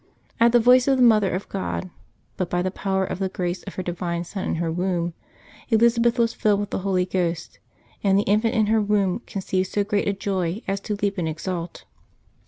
At the voice of the Mother of God, but by the power and grace of her divine Son in her womb, Elizabeth was filled with the Holy Ghost, and the Infant in her womb conceived so great a joy as to leap and exult.